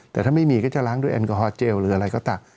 แต่ถ้าไม่มีก็จะล้างด้วยแอลกอฮอลเจลหรืออะไรก็ตาม